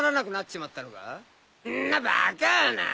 んなバカな。